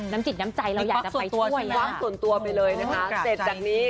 จิตน้ำใจเราอยากจะไปคว้างส่วนตัวไปเลยนะคะเสร็จจากนี้